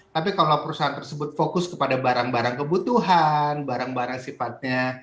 tapi kalau perusahaan tersebut fokus kepada barang barang kebutuhan barang barang sifatnya